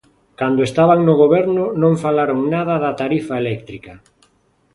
Cando estaban no goberno non falaron nada da tarifa eléctrica.